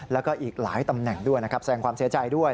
แล้วก็อีกหลายตำแหน่งด้วยนะครับแสดงความเสียใจด้วย